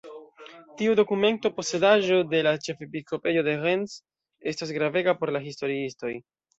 Tiu dokumento, posedaĵo de la ĉefepiskopejo de Rennes, estas gravega por la historiistoj.